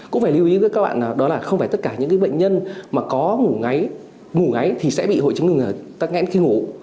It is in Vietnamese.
cũng phải lưu ý với các bạn là không phải tất cả những bệnh nhân mà có ngủ ngáy thì sẽ bị hội chứng đường thở tăng ngẽn khi ngủ